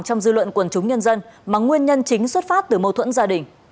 trong dư luận quần chúng nhân dân mà nguyên nhân chính xuất phát từ mâu thuẫn gia đình